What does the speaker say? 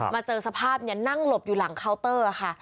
เจอสภาพนั่งหลบอยู่หลังเคาน์เตอร์ค่ะ